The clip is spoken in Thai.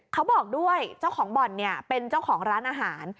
เขาบอกด้วยเจ้าของบ่อนเนี่ยเป็นเจ้าของร้านอาหาร